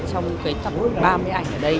trong tập ba mươi ảnh ở đây